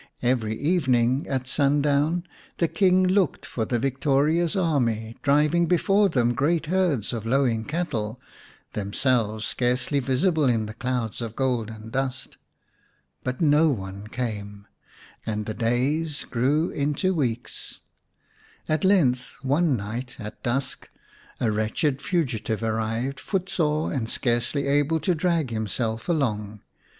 Every evening at sundown the King looked for the victorious army driving before them great herds of lowing cattle, themselves scarcely visible in the clouds of golden dust. But no one came, and the days grew into weeks. At length one night at dusk a wretched fugitive arrived, footsore and scarcely 137 The Cock's Kraal xi able to drag himself along.